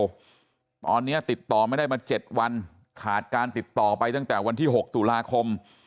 ตอนนี้ติดต่อไม่ได้มา๗วันขาดการติดต่อไปตั้งแต่วันที่๖ตุลาคม